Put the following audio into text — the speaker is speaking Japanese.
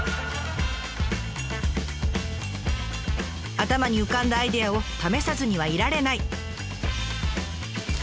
頭に浮かんだアイデアを試さずにはいられない。